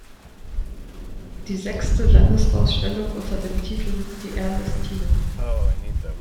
Die sechste Landesausstellung unter dem Titel „Die Ernestiner.